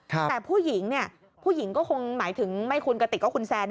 แต่ผู้หญิงผู้หญิงก็คงหมายถึงไม่คุณกระติกกับคุณแซน